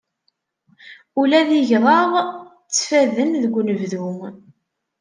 Ula d igḍaḍ ttfaden deg unebdu.